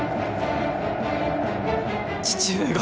父上が！